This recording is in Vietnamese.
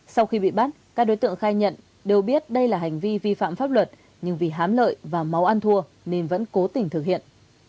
sau khi bị bắt các đối tượng khai nhận đều biết đây là hành vi vi phạm pháp luật nhưng vì hám lợi và máu ăn thua nên vẫn cố tình thực hiện